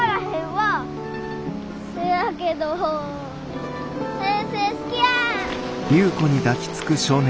せやけど先生好きや！